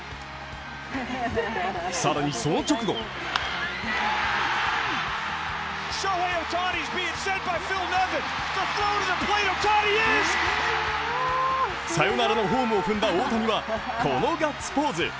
更にその直後サヨナラのホームを踏んだ大谷はこのガッツポーズ。